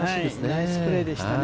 ナイスプレーでしたね。